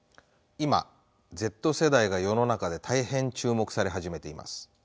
今Ｚ世代が世の中で大変注目され始めています。